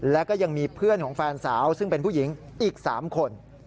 แล้วก็ยังมีเพื่อนของแฟนสาวซึ่งเป็นผู้หญิงอีก๓คน